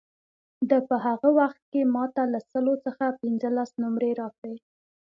ده په هغه وخت کې ما ته له سلو څخه پنځلس نمرې راکړې.